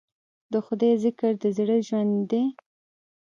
د خدای ذکر د زړه ژوند دی.